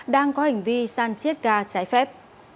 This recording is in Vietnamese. đang có hành vi san chiết ga trái phép